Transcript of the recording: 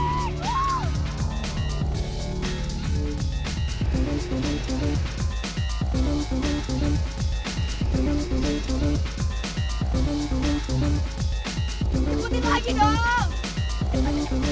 nilainya anar kevin ini tuh